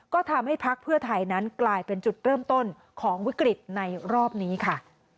ก็ทำให้พักเพื่อไทยนั้นกลายเป็นจุดเริ่มต้นของวิกฤตในรอบนี้ค่ะ